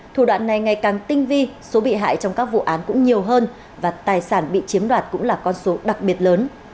thủ đoạn này ngày càng tinh vi số bị hại trong các vụ án cũng nhiều hơn và tài sản bị chiếm đoạt cũng là con số đặc biệt lớn